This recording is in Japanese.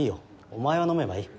お前は飲めばいい。